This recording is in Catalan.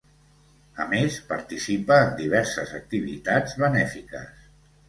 A més, participa en diverses activitats benèfiques.